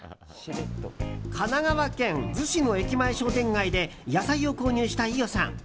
神奈川県逗子の駅前商店街で野菜を購入した飯尾さん。